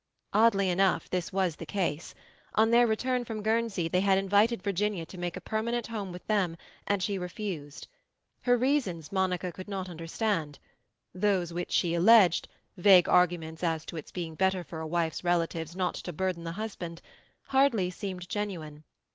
Oddly enough, this was the case. On their return from Guernsey they had invited Virginia to make a permanent home with them, and she refused. Her reasons Monica could not understand; those which she alleged—vague arguments as to its being better for a wife's relatives not to burden the husband—hardly seemed genuine.